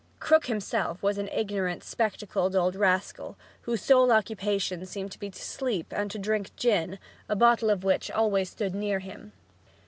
Krook himself was an ignorant, spectacled old rascal, whose sole occupations seemed to be to sleep and to drink gin, a bottle of which stood always near him.